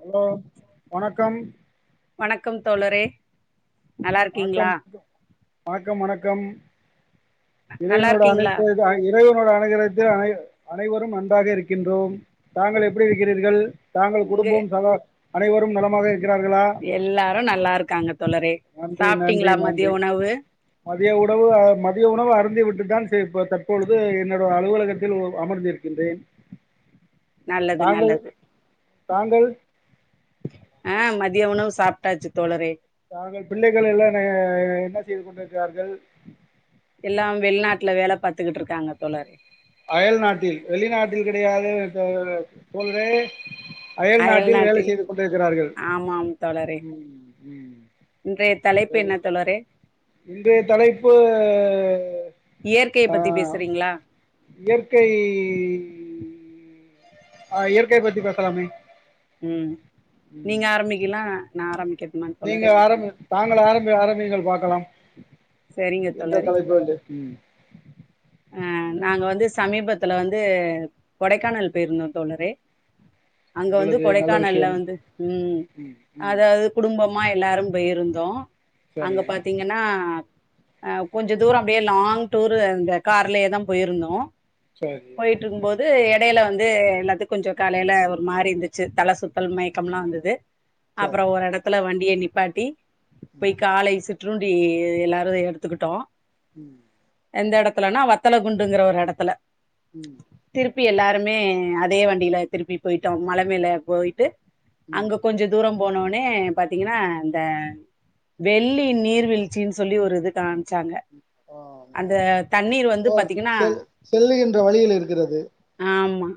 hello வணக்கம் வணக்கம் தோழரே நல்லா இருக்கீங்களா வாக்கம் வாக்கம் வணக்க கம் நல்லா இறைவனோட இருக்கீங்களா அனைத்து இறைவ இறைவனோட அணகிரத்தில் அனைவரும் நன்றாக இருக்கின்றோம் தாங்கள் எப்படி இருக்கிறீர்கள் தாங்கள் குடும்பம் சக அனைவரும் நலமாக இருக்கிறார்களா எல்லாரும் நல்லா இருக்காங்க தோழரே நன்றி நன்றி சாப்பிட்டீங்களா நன்றி மதியம் உணவு மதிய உணவு மதிய உணவு அருந்தி விட்டு தான் இப்ப தற்பொழுது என்னோட அலுவலகத்தில் அமர்ந்திருக்கின்றேன் நல்லது தாங்கள் நல்லது தாங்கள் ஆ மதிய உணவு சாப்பிட்டாச்சு தோழரே தாங்கள் பிள்ளைகள் எல்லாம் என்ன செய்து கொண்டிருக்கிறார்கள் எல்லாம் வெளிநாட்ல வேல பாத்துக்கிட்டு இருக்காங்க தோழரே அயல் நாட்டில் வெளிநாட்டில் கெடையாது சொல் [unintelligible] அயல் நாட்டில் வேலை செய்து கொண்டிருக்கிறார்கள் ஆமாம் தோழரே இன்றைய தலைப்பு செரி என்ன தோழரே இன்றைய தலைப்பு இயற்கைய பத்தி ஆஹ் பேசுறீங்களா இயற்கை ஆஹ் இயற்கைய பத்தி பேசலாமே உம் நீங்க ம் ஆரம்பிக்கலா நா ஆரம்பிக்க நீங்க ஆரம்ப நாங்க ஆரம்ப ஆரம்பிங்கள் பா கலாம் சரிங்க எந்த தலைப்பு [unintelligible] உம் அஹ் நாங்க வந்து சமீபத்துல வந்து கொடைக்கானல் போயிருந்தோ தோழரே அங்க வந்து நல்லது நல்ல கொடைக்கானல்ல விஷயம் வந்து உம் ம் ம் அதாவது குடும்பம் மா எல்லாரும் போயிருந்தோ அங்க சரிங்க பாத்தீங்கன்னா அஹ் கொஞ்ச தூர அப்படியே லாங் டூர் இந்த கார்லயே தா போயிருந்தோ சரி போய்ட்டு இருக்கும்போது வந்து இடையில வந்து எல்லாத்து கொஞ்சம் காலையில ஒரு மாறி இருந்துச்சு தல சுத்தல் மயக்கம் எலாம் வந்தது சரி அப்புறம் ஒரு இடத்துல வண் டிய நிப்பாட்டி போய் காலை றுண்டி எல்லாரு எடுத்துக்கிட்டோ உம் எந்தடக்கு இல்லனா வத்தலகுண்டுங்கிற ஒரு இடத்துல உம் திருப்பி எல்லாருமே அதே வண்டியில திருப்பி போயிட்டோம் மலை மேல போயிட்டு ம் அங்க கொஞ்சம் தூரம் போனோனே பாத்தீங்கன்னா இந்த வெள்ளி நீர்வீழ்ச்சின்னு சொல்லி ஒரு இது கா வச்சாங்க ஆம் அந்த ஆமாம் தண்ணீர் வந்து போற பாத்தீங்கன்னா செல் செல்லுகின்ற வழியில் இருக்கிறது ஆமா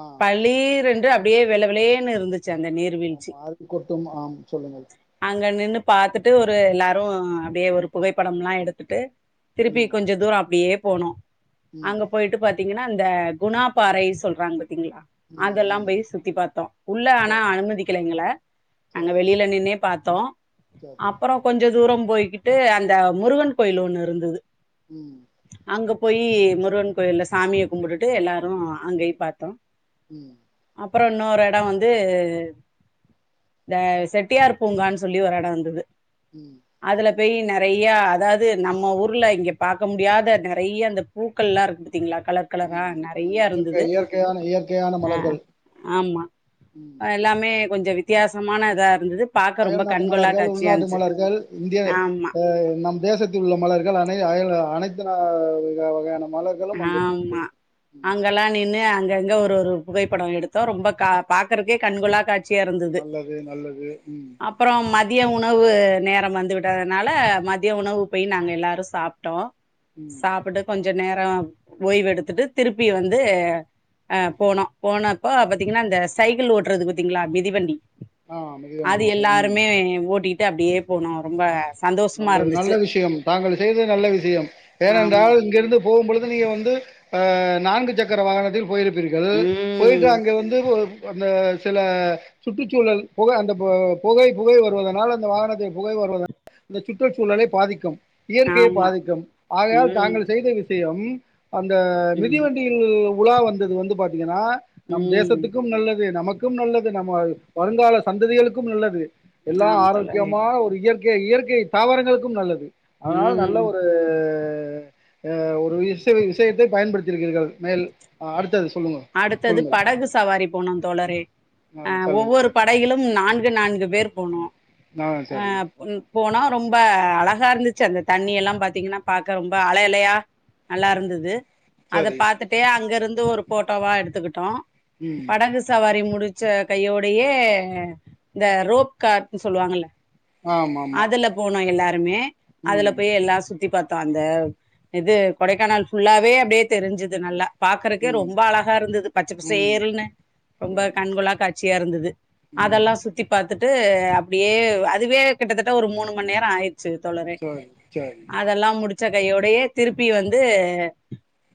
ஆஹ் பளீரென்று அப்படியே விளவில்லையேன்னு இருந்துச்சு அந்த நீர் வீழ்ச்சி ஆமா அருவி கொட்டும் ஆம் சொல்லுங்கள் அங்க நின்னு பாத்துட்டு ஒரு எல்லாரும் அப்படியே ஒரு புகைப்படம் எல்லாம் எடுத்துட்டு திருப்பி ம் கொஞ்சம் தூரம் அப்படியே போனோ ம் அங்க போயிட்டு பாத் திக்ன இந்த குணா பாறை சொல்றாங்க கள ம் அதெல்லாம் ம் போய் சுத்தி பார்த்தோம் உள்ள ஆனா சரி அனுமதிக்கலைங்கள எங்கள நாங்க சரி வெளியில நின்னே பாத்த த்தோ சரி அப்புறம் கொஞ்சம் தூரம் போய்கிட்டு அந்த முருகன் கோயில் ஒண்ணு இருந்தது உம் அங்க போய் முருகன் கோயில சாமிய கும்பிட்டுட்டு எல்லாரும் அங்கயும் பாத்தோம் உம் அப்புறம் இன்னொரு இடம் வந்து இந்த செட்டியார் பூங்கான்னு சொல்லி ஒரு இடம் வந்தது உம் போய் நிறைய அதாவது நம்ம ஊர்ல இங்க பாக்க முடியாத நிறைய அந்த பூக்கள் எல்லா இருக்குது பாத்திகள கலர் கலரா ம் ம் நிறைய இயற்கை இருந்தது இயற்கையான இயற்கையான ஆஹ மலர்கள் ஆமா ம் எல்லாமே கொஞ்ச வித்தியாசமான இதா இருந்தது பாக்க ரொம்ப அயல் நாட்டு கண்கொள்ளா மலர்கள் காட்சியா உள்நாட்டு இருந்துச்சு மலர்கள் இந்திய ஆமா நம் தேசத்தில் உள்ள மலர்கள் அயல் அனைத்து வகானன உம் [unintelligible] அங்கெல்லாம் நின்னு அங்க எங்க ஒரு ஒரு புகைப்படம் எடுத்தோம் ரொம்ப பாக்கறக்கே கண்கொள்ளா காட் சேர்ந்தது நல்லது நல்லது ம் அப்புறம் மதிய உணவு வு நேரம் வந்து விட்டதுனால மதியம் உணவு போய் நாங்க எல்லாரும் சாப்பிட்டோம் ம் சாப்பிட்டு கொஞ்ச என்ன எ ஓய்வு எடுத்துட்டு திருப்பி வந்து போனோம் போனப்போ பார்த்தீங்கன்னா இந்தந்த சைக்கிள் ஓட்டுறது பார்த்தீங்களா மிதிவண்டி ஆ மிதிவண்டி அது ஓட்டம் ம் எல்லாருமே ஓட்டிட் [unintelligible] அப்படியே போகும் ரொம்ப சந்தோஷமா நல்லது நல்ல இருந்துச்சு விஷயம் தாங்கள் செய்தது நல்ல விஷயம் ஆமா ஏனென்றால் இங்கிருந்து போம் பொழு நீங்க வந்து ஆ நான்கு சக்கர வாகனத்தில் போயிருப் இருகள் போயிட்டு ம் அங்க வந்து அந்த சில சுற்றுச்சூழல் புகை அந்த புகை புகை வருவதனால் அந்த வாகனத்தை புகை வருவ அந்தச் சுற்று சூழலைப் பாதிக்கும் இயற்கையை ஆமா பாதிக்கும் ஆகையால் ம் தாங்கள் செய்த விஷயம் அந்த ம் மிதிவண்டியில் உலா வந்தது வந்து பாார்த்தீங்கன்னா நம் ம் தேசத்துக்கும் நல்லது நமக் க்கும் நல்லது நம்ம வருங்கால சந்ததிகளுக்கும் நல்லது எல்லாம் ஆமா தோழரே ஆரோக்கியமான ஒரு இயற் ஏ இயற்கை தாவரங்களுக்கும் நல்லது அதனால நல்ல ம் ஒரு ஒரு விச விஷயத்தை பயன்படுத்திருக்கிறர்கள் மேல் அடுத்தது சொல்லுங்க அடுத்தது சொல்லுங்க படகு சவாரி போனும் தோழரே ஆ அஹ் சொல்லுங்க ஒவ்வொரு படைகளிலும் நான்கு நான்கு பேர் போனோம் ஆ சரி அஹ் போனோ ரொம்ப அழகா இருந்துச்சு அந்த தண்ணி எல்லாம் பாார்த்தீங்கன்னா பாக்க ரொம்ப அலையலையா நல்லா இருந்தது அத சரி பாத்துட்டே அங்க இருந்து ஒரு போட்டோல எடுத்துக்கிட்டோ ம் படகு சவாரி முடிச் ச்ச கையோடைய இந்த ரோப்கார்க்னு சொல்லுவாங்கல்ல ஆமா ஆமா அதுல போனோம் எல்லாருமே அதுல ம் போய் எல்லாம் சுத்தி பாத் அந்த இது கொடைக்கானல் ஃபுல்லாவே அப்படியே தெரிஞ்சுது நல்லா பாக்கறக்கே ம் ரொம் ரொம்ப அழகா இருந்தது பச்ச ம் பசேல்னு ரொம்ப சரி கண் கொள்ளா காட் சியா இருந்துது ம் அதெல்லா சுத்தி பாத் துட்டு அப்டியே அதுவே கிட்டத்தட்ட ஒரு மூணு மண் நேரோ ஆயி ச்சு தோலரே சரி சரி அதெல்லா முடிச் ச்ச கையோடையே திருப்பி வந்து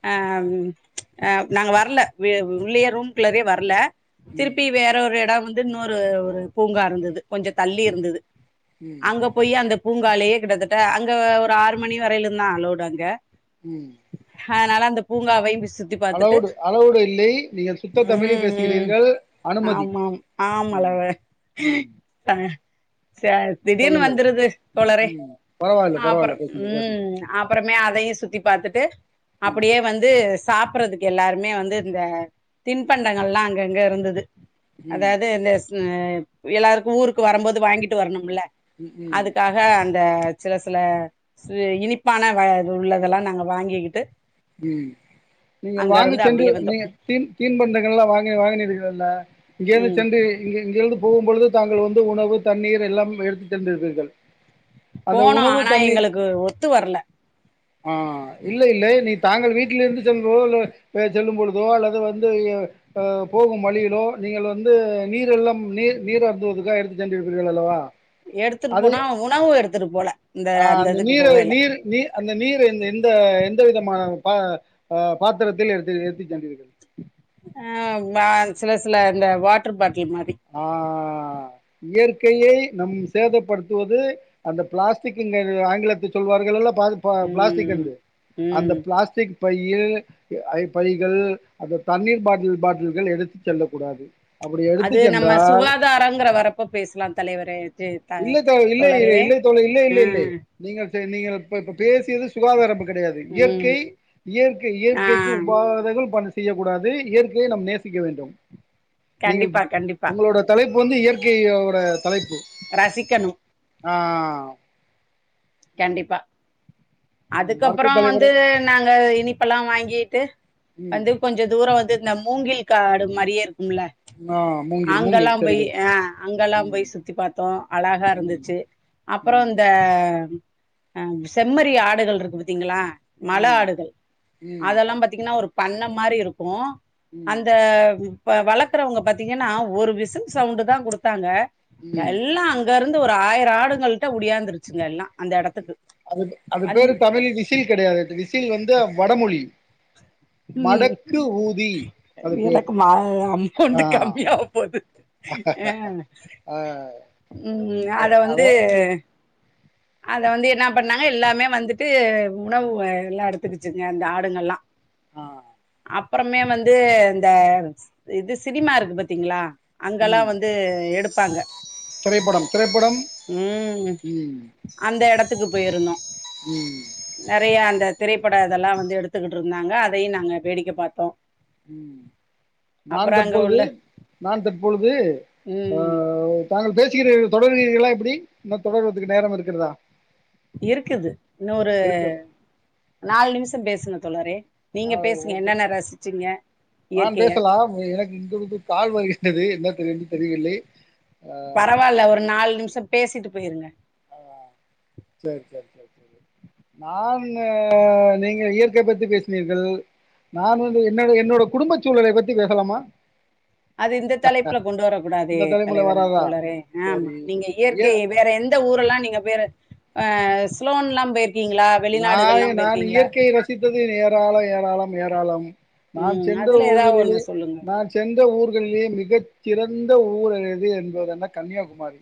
அ ப்ச் அ நாங்க வர்ல வெ உள்ளையே ரூம் குள்ளரே வர்ல ம் திருப்பி வேற ஒரு எடோ வந் இன்னொரு ஒரு பூங்கா இருந்தது கொஞ்சோ தள்ளி ம் இருந்துது ம் அங்க போய் அந்த பூங்காலேயே கிட்டத்தட்ட அங்க ஒரு ஆறு மணி வரைலு தா அளவ்டு அங்க உம் அதனால அந்த பூங்காவயு போ சு த்தி பாத்துட் அளோடு அளவ்டு இல்லை நீங்கள் சுத்த தமிழில் ம் ம் பேசுகிறீர்கள் அனுமதி ஆமாம் ம் ஆமலவ ம் சேர் திடீர்னு சொல்லுங்கள் வந்துருது தோலரே ம் பரவாயில்ல அப்புற பரவாயில்ல பேசுங்க பேசுங்க உம் அப்பறமே யும் சுத்தி பாத்துட்டு ம் அப்படியே வந்து சாப்புறதுக் எல்லாருமே வந்து இந்த தின்பண்டங்கள் எல்லா அங்கங்க இருந்துது ம் அதாவது இந்த அ எல்லாருக்கு ஊருக்கு வரும்போது வாங்கிட்டு வரணும்ல ம் ம் அதுக்காக அந்த சில சில சி இனிப்பான வ உள்ளதெல்லா நாங்க வாங்கிக்கிட்டு உம் நீங்கள் அங்க வாங்க இருந்து சென்று அப்படியே வந்தோ நீங்க தீன் தீன் பண்டங்கள் எல்லா வாங்க வாங்கினீர்கள்ல்ல ம் இங்கேந்து [unintelligible] இங்க இங்கேந்து போ போகும் பொழுது தாங்கள் வந்து உணவு தண்ணீர் எல்லாம் எடுத்து சென்றுருப்பீர்கள் போனு ஆனா எங்களுக்கு ஒத்து வரல ஆ இல்ல இல்லை நீ தாங்கள் வீட்டில இருந்து செல்லு [unintelligible] அல்ல செல்லும் பொழுதோ அல்லது வந்து அ போகும் வழியிலோ நீங்கள் வந்து நீரெல்லாம் நீர் நீர் அருந்துவதுக்காக எடுத்து சென்றிருப்பீர்கள் அல்லவா எடுத்துட்டு அது போனா உணவு எடுத்துட்டு போல இந்த அ அந்த இதுக்கு நீரை போகையில நீர் நீ அந்த நீர் எந்த எந்த விதமான பா அ பாத்திரத்தில் எடுத்து எடுத்து சென்றீர்கள் ஆ ப சில சில இந்த வாட்டர் பாட் டில் மாரி ஆ இயற்கையை நம் சேதப்படுத்துவது அந்த பிளாஸ்டிக் ங்கு ஆங்கிலத்துல சொல்வார்கள் எல் பால் பா பிளாஸ்டிக் ம் இருது அந்த ம் பிளாஸ்டிக் பையில் ஐ பைகள் அந்த தண்ணீர் பாட்டில் பாட்டில்கள் எடுத்து செல்லக் கூடாது அவ அது நம்ம சுகாதாரங்கற வரப்ப பேசலா தலைவரே இல்ல த இல்லை தோழரே இல்லை தோழி இல்லை ஆ இல்லை இல்லை நீங்கள் நீங்கள் ப இப்ப பேசியது சுகாதாரம் கெடையாது இயற்கை ம் இயற்கை ஆ இயற்கைக்கு உபாதைகள் பன செய்யக்கூடாது இயற்கையை நம் நேசிக்க வேண்டும் நீங்கள் கண்டிப்பா கண்டிப்பா உங்களோட தலைப் இப்ப வந்து இயற்கையோட தலைப்பு ரசிக்கணும் ஆ ஆ கண்டிப்பா ம் அடுத்த அதுக்கப்புற தலைவரு வந்து நாங்க இனிப்பெல்லா வாங்கிட்டு ம் வந்து கொஞ்சம் தூரம் வந்து ந்த மூங்கில் காடு மாரியேருக்கு ம்ல ஆ மூங்கில் அங்கெல்லா மூங்கில் போய் செடிகள் ஆ அங்கெல்லா ம் போய் சுத்தி பாத்தோ ம் அழகாருந்துச்சு அப்ற ம் இந்த ஆ செம்மறி ஆடுகள்ருக்கு பாத்தீங்களா மல ம் ஆடுகள் ம் அதெல்லா பாத்தீங்கன்னா ஒரு பண்ண மாரிருக்கு ம் அந்த இப்ப வளக்குறவங்க பாத்தீங்கன்னா ஒரு விசில் சவுண்டு தா குடுத்தாங்க ம் யெல்லாம் அங்க இரு ருந்து ஒரு ஆயிரெ ஆடுங்கள்ட்ட உடியாந்துருச்சுங்க எல்லா அந்த எடத்துக்கு அதுக்கு அது வந் பேரு தமிழ்ல விசில் கெடையாது விசில் வந்து வடமொழி ம் மடக்கு ஊதி அது பேர் எனக்கு மா அமௌண்ட் ஆ கம்மியாக போது ஆ அ ம் அத வந்து அத வந்து என்ன பண்ணாங்க எல்லாமே வந்துட்டு உணவு எல்லா எடுத்துக்குச்சுங்க அந்த ஆடுங்கல்லெ ஆ அப்றமே வந்து இந்த இது சினிமா இருக்கு பாத்தீங்ளா அங்கெல்லெ ம் வந்து எடுப்பு ப்பாங்க திரைப்படம் திரைப்படம் ம் த்துக்கு போயிருந்தோ ம் நெறைய அந்த திரைப்பட இதெல்லாம் வந்து எடுத்துக்கிட்டு இருந்தாங்க அது அதையு நாங்க வேடிக்கை பார்த்தோம் உம் நா தற்பொழுது உள்ள நா தற்பொழுது ம் ஆஹ தாங்கள் பேச தொடர்கீர்களா எப்படி இ தொடர்துக்கு நேரம் இருக்கிறதா இருக்குது இன்னரு நாலு நிமிஷம் பேசின தோழர் ரே ஆஹஓ நா இயற்கைய பேசலாம் எனக்கு இங்க கால் வலி என்து என்ன தெரிய தெரியல்லை பரவாயில்ல ஒரு நாலு நிமிஷம் பேசிட்டு போயிருங்க ஆ சரி சரி சரி நான் நீங்க இயற்கை பத்தி பேசினீர்கள் நான் வந்து என்னோட என்னோட குடும்ப சூழலை பத்தி பேசலாமா அது இந்த தலைப்புல கொண்டு வரக்கூடாதே இந்த தலைமுறை தலைவர் வராதா தோழர ஆமா சரி நீங்க ஏ இயற்கை வேற எந்த ஊர்ல்லா நீங்க பேர் ஸ்லோன் எல்லாம் போயிரு நா நான் இயற்கையை ரசித்தது ஏராளம் ஏராளம் ஏராளம் நான் ம் சென்ற அதுல ஏதாவது ஒண்ணு ஊர்களிலே சொல்லுங்க நான் சென்ற ஊர்களிலே மிக சிறந்த ஊர் எது என்பது என்ன கன்னியாகுமாரி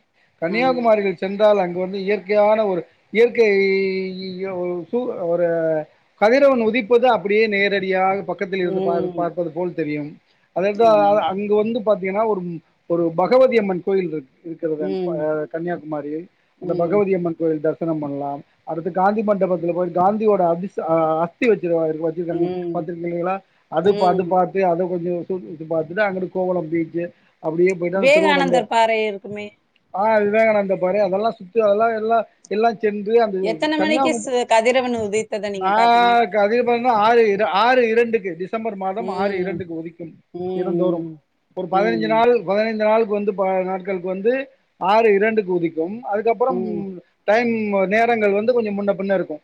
ஆ கன்னியாகுமாரிகள் சென் அங்கு வந்து இயற்கையான ஒரு இயற்கை ஒரு சு ஒரு கதிரவன் உதிப்பது அப்படியே நேரடியாக பக்கத்தில் இருந்து ம் பார்ப்பது போல் தெரியும் அதுஎன ஆமா அங்க வந்து பாத்தீங்கன்னா ஒரு ஒரு பகவதிய அம்மன் கோயில் இருக்கு இருக்கிறது ம் கன்னியாகுமரியில் அந்த ம் பகவதிய அம்மன் கோயில தான் பண்ணலாம் அடுத்துட்டு காந்தி மண்டபத்தில் போயிட்டு காந்தியோட அ அஸ்தி வச்சு வச்சிருக்காங்க ம் பத்துருக்கீங்களா அது அது ம் பார்த்து அது கொஞ்சம் [unintelligible] அதுதா அங்குட்டு கோவளம் பீச்சு அப்படியே போயிட்டு விவேகானந்தர் பாறை இருக்குமே ஆஹ் விவேகானந்த பாறை அதெல்லா சுத்து அதெல்லாம் எல்லாம் எல்லாம் சென்று அந்தது எத்தன மணிக்கு கதிரவன் உதத்தத நீங்க பாத்தீங்க வந்த ஆறு ஆறு இரண்டுக்கு டிஸ் ம்பர் மாதம் ஆறு ம் இரண்டுக்கு உதிக்கும் தினந்தோறும் ம் ஒரு பதினை்ச ம் நாள் பதினைந்து நாள் வந்து பல நாட்களுக்கு வந்து ஆறு இரண்டு கூதி கும் அதுக்கு அப்றம் ம் டைம் ம நேரங்கள் வந்து கொஞ்சம் முன்ன பண்ண இருக்கும்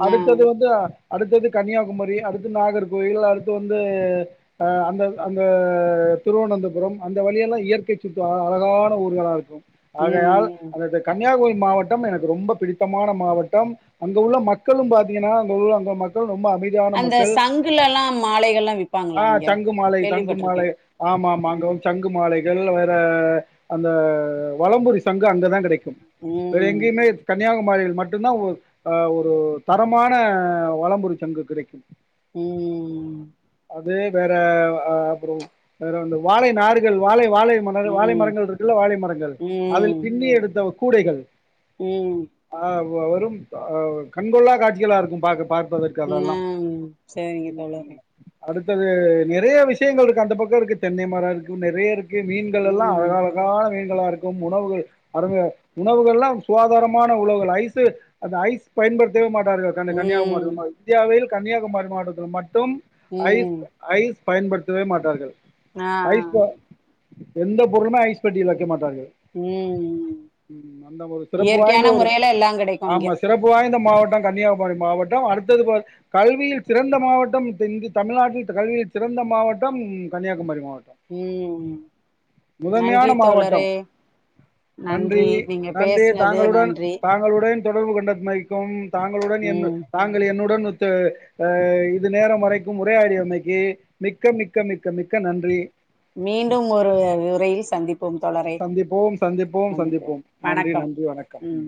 ம் ஆ அடுத்தது வந்து அடுத்தது கன்னியாகுமரி அடுத்து நாகர்கோவில் அடுத்து வந்து அந்த அந்த திருவனந்தபுரம் அந்த வழியெல்லாம் இயற்கை சுத்து அழகான ஊர்களாக இருக்கும் ஆகையால் ம் அந்தது கண் கன்னியாகுரி மாவட்டம் எனக்கு ரொம்ப பிடி ம மாவட்டம் அங்கு உள்ள மக்களும் பாார்த்தீங்கன்னா அங்க உள்ள அங்க மக்கள் ரொம்ப அமைதியான அந்த மக்கள் சங்குலல்லா மாலைகள்லா விப்பாங்களா ஆஹ் அங்க சங்கு மாலை தங்கு கேள்விப்பட்டிருக்கே மாலை ஆமா ஆமா அங்க ம் வந்து சங்கு மாலை தெருல வேற அந்த வளம்புரி சங் கு அங்க தான் கிடைக்கும் வேற ம் எங்கேயுமே கன்னியாகுமாரிகள் மட்டும்தான் ஆஹ் ஒரு தரமான வளம்புரி சங்கு கிடைக்கும் உம் அது வேற அ அப்புறம் வேற என்ன வாழை நாார்கள் வாழை வாழை மர வாழை ம் மரங்கள் இருக்குல்ல வாழை மரங்கள் அதில் ம் பின்னி எடுத்த கூடைகள் உம் வ வரும் அ கண்கொள்ளா காட்சிகளாக இருக்கும் பாக்க பாப்ப உஹம் சரிங்க தோழாரே வந்து அது நெறைய விஷயங்கள் இருக்கு அந்த பக்கம் இருக்கு தென்னை மரம் இருக்கு நெறைய இருக்கு மீன்கள்லாம் ம் அழக அழகான மீன்கள் இருக்கும் உணவுகள் அங்க உணவுகள் எல்லாம் சுகாதாரம் ஆன உலவுககள் ஐஸ் அந்த ஐஸ் பயன்படுத்தவே மாட்டா ர்கள் கன்னி கன்னியாகுமரி ம் இந்தியாவில் கன்னியாகுமரி மாவட்டத்தில் ம ட்டும் ஐஸ் ம் ஐஸ் பயன்படுத்தவே மாட்டார்கள் ஐஸ் ஆஹ்ஹ் ப எந்த பொருளுமே ஐஸ் பட்டியில் வைக்க மாட்டேன் ர்கள் ம் அந்த ஒரு சிறப்பு ற்கையான முறையல்ல எல்லாம் கிடைக்கும் இங்க ய்ந்த மாவட்டம் கன்னியாகுமரி மாவட்டம் அடுத்தது கல்வியில் சிறந்த மாவட்டம் இங்கு தமிழ்நாட்டில் கல்வியில் சிறந்த மாவட்டம் கன்னியாகுமரி மா உம் முதன்மையான நன்றி மாவட்டம் தோழரே நன்றி நீங்க நன்றி பேசுன தாங்களுடன் தாங்களுடன் தொடர்பு கொண்டமைக்கும் தாங்களுடன் [unintelligible] ம் தாங்கள் என்னுடன் ஒத் இத்து அ இது நேரம் வரைக்கும் உரையாடிய அமைக்கு மிக்க மிக்க மிக்க மிக்க நன்றி மீண்டும் ஒரு உரையில் சந்திப்போம் தோழரே சந்திப்போம் சந்திப்போம் சந்திப்போம் நன்றி நன்றி வணக்கம் ம் உம்